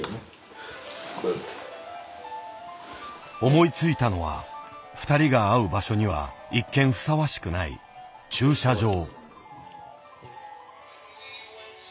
思いついたのは２人が会う場所には一見ふさわしくない「駐車場」。